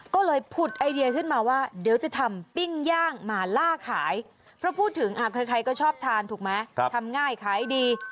ก็เลยผุดไอเดียขึ้นมาว่าเดี๋ยวจะทำปิ้งย่างมาล่าขายเพราะพูดถึงใครก็ชอบทานถูกไหมทำง่ายขายดี